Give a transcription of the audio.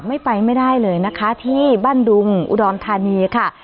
ไม่ไปไม่ได้เลยนะคะที่บ้านดุงอุดรธานีค่ะ